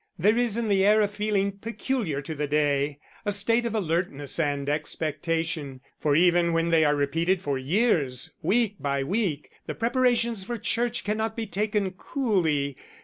There is in the air a feeling peculiar to the day, a state of alertness and expectation; for even when they are repeated for years, week by week, the preparations for church cannot be taken coolly.